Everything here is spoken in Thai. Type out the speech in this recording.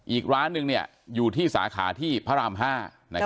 อีกร้านหนึ่งเนี่ยอยู่ที่สาขาที่พระรามห้านะครับ